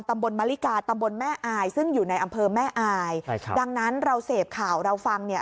ตำบลมะลิกาตำบลแม่อายซึ่งอยู่ในอำเภอแม่อายใช่ครับดังนั้นเราเสพข่าวเราฟังเนี่ย